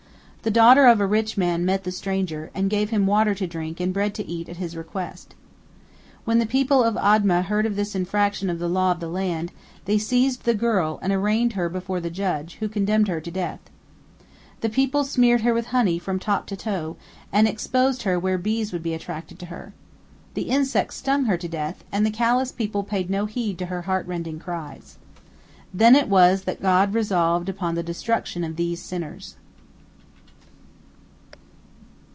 The daughter of a rich man met the stranger, and gave him water to drink and bread to eat at his request. When the people of Admah heard of this infraction of the law of the land, they seized the girl and arraigned her before the judge, who condemned her to death. The people smeared her with honey from top to toe, and exposed her where bees would be attracted to her. The insects stung her to death, and the callous people paid no heed to her heartrending cries. Then it was that God resolved upon the destruction of these sinners.